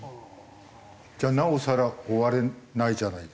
じゃあなおさら終われないじゃないですか。